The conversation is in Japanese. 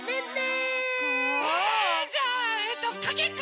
えじゃあえっとかけっこ！